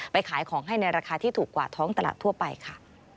ขายของให้ในราคาที่ถูกกว่าท้องตลาดทั่วไปค่ะ